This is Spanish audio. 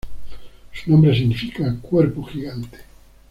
Su nombre significa "cuerpo gigante".